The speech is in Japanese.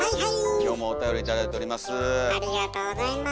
今日もおたより頂いております。